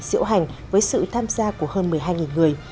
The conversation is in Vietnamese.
diễu hành với sự tham gia của hơn một mươi hai người